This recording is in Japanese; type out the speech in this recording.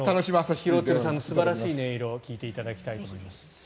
廣津留さんの素晴らしい音色を聞いていただきたいと思います。